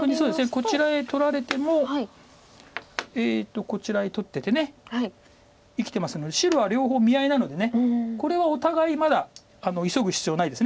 こちらへ取られてもこちらへ取ってて生きてますので白は両方見合いなのでこれはお互いまだ急ぐ必要ないです。